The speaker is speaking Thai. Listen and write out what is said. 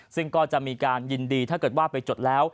ซึ่งก็จะมีการยินดีถ้าเกิดว่าไปจดแล้ว